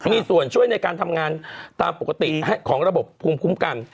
มีส่วนช่วยในการทำงานตามปกติของระบบภูมิคุ้มกัน